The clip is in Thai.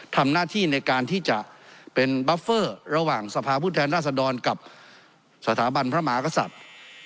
ทำหน้าที่ในการที่จะเป็นบัฟเฟอร์ระหว่างสภาพุทธแทนราษดรกับสถาบันพระมหากษัตริย์